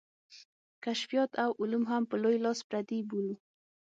کشفیات او علوم هم په لوی لاس پردي بولو.